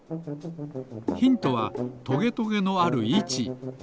ヒントはトゲトゲのあるいち。